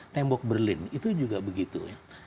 tembok berlin itu juga begitu ya